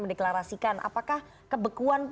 mendeklarasikan apakah kebekuan